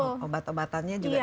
dan obat obatannya juga naik